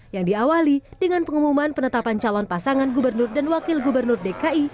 yang diawali dengan pengumuman penetapan calon pasangan gubernur dan wakil gubernur dki